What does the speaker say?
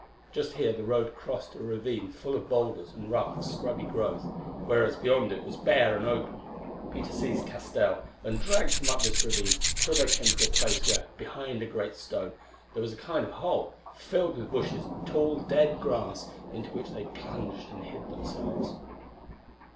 Just here the road crossed a ravine full of boulders and rough scrubby growth, whereas beyond it was bare and open. Peter seized Castell and dragged him up this ravine till they came to a place where, behind a great stone, there was a kind of hole, filled with bushes and tall, dead grass, into which they plunged and hid themselves.